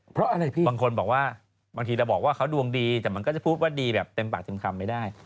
เพราะอะไรพี่บางคนบอกว่าบางทีเราบอกว่าเขาดวงดีแต่มันก็จะพูดว่าดีแบบเต็มปากเต็มคำไม่ได้